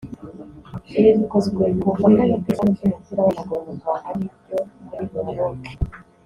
Ibi bikozwe ku bufatanye bw’Ishyirahamwe ry’Umupira w’Amaguru mu Rwanda n’iryo muri Maroc